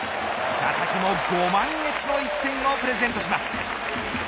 佐々木もご満悦の１点をプレゼントします。